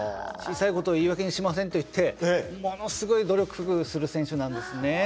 小さいことを言い訳にしませんと言ってものすごい努力する選手なんですね。